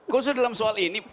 khusus dalam soal ini